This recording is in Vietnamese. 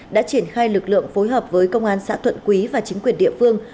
đã triển khai lực lượng phối hợp với công an xã thuận quý và chính quyền địa phương